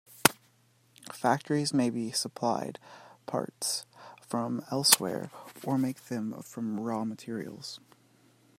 Factories may be supplied parts from elsewhere or make them from raw materials.